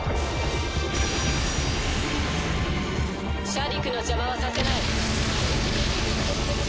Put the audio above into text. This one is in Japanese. シャディクの邪魔はさせない。